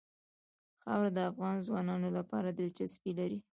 خاوره د افغان ځوانانو لپاره دلچسپي لري.